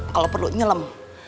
kalau perlu nyelem